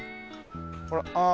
ほらああ。